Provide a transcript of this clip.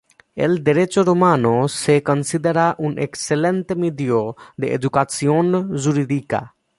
El Derecho romano se considera un excelente medio de educación jurídica.